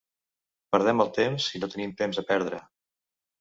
Perdre'm el temps, i no tenim temps a perdre.